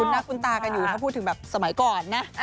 หน้าคุ้นตากันอยู่ถ้าพูดถึงแบบสมัยก่อนนะ